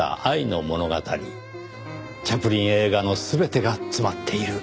チャップリン映画の全てが詰まっている。